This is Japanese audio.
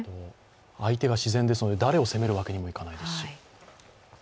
相手が自然ですので誰を攻めるわけにもいかないですし。